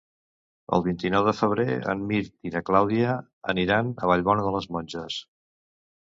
El vint-i-nou de febrer en Mirt i na Clàudia aniran a Vallbona de les Monges.